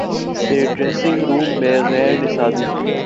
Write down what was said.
سے dressing room میں غیر نصابی